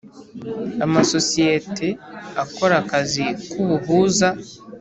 amasosiyete akora akazi k ubuhuza